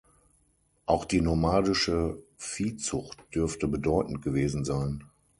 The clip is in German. Auch die nomadische Viehzucht dürfte bedeutend gewesen sein.